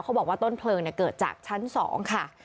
เขาบอกว่าต้นเพลิงเนี่ยเกิดจากชั้นสองค่ะ